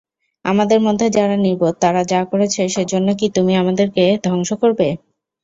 আমাদের মধ্যে যারা নির্বোধ তারা যা করেছে সেজন্য কি তুমি আমাদেরকে ধ্বংস করবে?